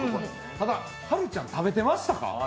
ただ、はるちゃん食べてましたか？